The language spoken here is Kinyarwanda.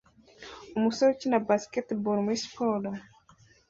Umusore ukina basketball muri siporo